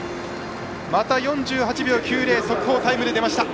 また４８秒９０速報タイムで出ました。